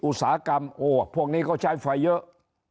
อุตสาหกรรมโอ้พวกนี้ก็ใช้ไฟเยอะ